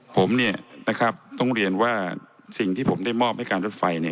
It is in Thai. ผมเนี่ยนะครับต้องเรียนว่าสิ่งที่ผมได้มอบให้การรถไฟเนี่ย